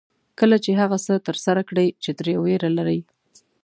کله چې هغه څه ترسره کړئ چې ترې وېره لرئ.